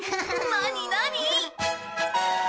何何？